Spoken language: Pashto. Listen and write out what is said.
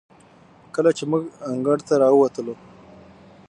کله چې موږ هم انګړ ته راووتلو،